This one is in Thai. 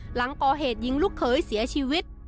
หลังก่อเหตุยิงลูกเขยเสียชีวิต